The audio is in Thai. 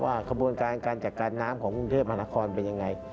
ขบวนการการจัดการน้ำของกรุงเทพมหานครเป็นยังไง